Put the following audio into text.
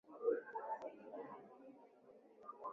watu wa libya wamekosa shukrani kwake